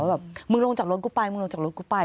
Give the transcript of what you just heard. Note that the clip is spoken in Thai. แบบมึงลงจากรถกูไปมึงลงจากรถกูไป